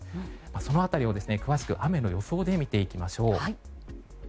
その辺りを詳しく雨の予想で見ていきましょう。